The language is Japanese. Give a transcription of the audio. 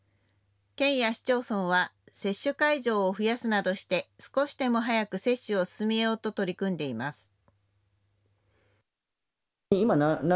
県や市町村は接種会場を増やすなどして少しでも早く接種を進めようと取り組んでいます。